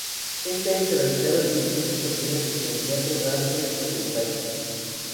Este año realizaron diez presentaciones en el teatro Gran Rex de Buenos Aires.